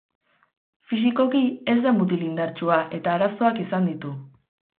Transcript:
Fisikoki ez da mutil indartsua eta arazoak izan ditu.